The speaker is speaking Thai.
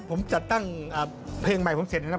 ถ้าผมจัดตั้งเพลงใหม่ผมเสร็จแล้วนะ